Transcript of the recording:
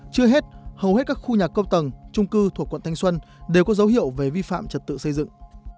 chưa hết hầu hết các khu nhà cao tầng trung cư thuộc quận thanh xuân đều có dấu hiệu về vi phạm trật tự xây dựng